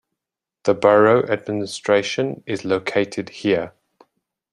The borough administration is located here.